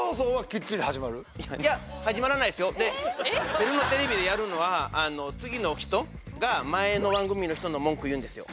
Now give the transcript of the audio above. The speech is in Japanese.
ペルーのテレビでやるのは次の人が前の番組の人の文句を言うんですよ。